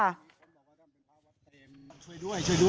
ช่วยด้วยช่วยด้วย